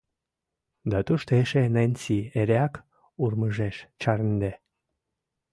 Да тушто эше Ненси эреак урмыжеш, чарныде.